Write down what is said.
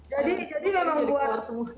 jadi memang buat